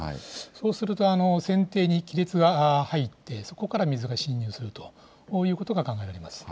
そうすると、船底に亀裂が入って、そこから水が浸入するということが考えられます。